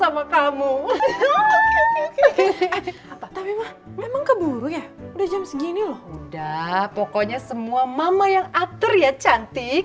pokoknya semua mama yang atur ya cantik